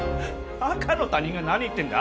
赤の他人が何言ってんだ？